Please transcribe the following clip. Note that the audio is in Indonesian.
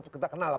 kita kenal lah